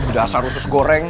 dasar khusus goreng